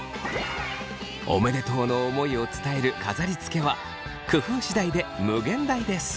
おめでとうの思いを伝える飾りつけは工夫次第で無限大です。